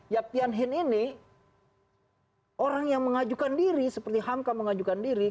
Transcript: yaptian hin ini orang yang mengajukan diri seperti hamka mengajukan diri